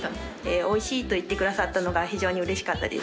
おいしいと言ってくださったのが非常にうれしかったです。